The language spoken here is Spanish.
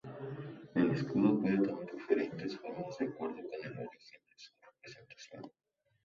El escudo puede tomar diferentes formas de acuerdo con el origen de su representación.